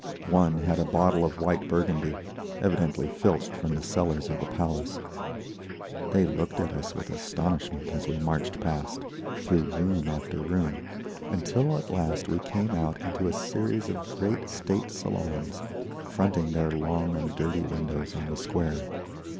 One had a bottle of white Burgundy, evidently filched from the cellars of the Palace. They looked at us with astonishment as we marched past, through room after room, until at last we came out into a series of great state salons, fronting their long and dirty windows on the Square.